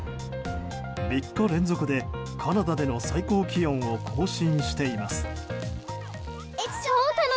３日連続でカナダでの最高気温を更新しています。